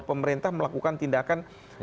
pemerintah melakukan tindakan